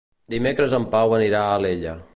Dimecres en Pau anirà a Alella.